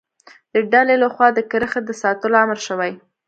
د ډلې له خوا د کرښې د ساتلو امر شوی.